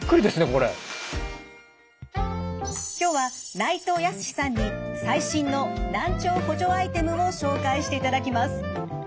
今日は内藤泰さんに最新の難聴補助アイテムを紹介していただきます。